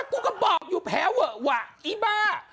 กูก็บอกอยู่แผลเวอะวะอีบ้า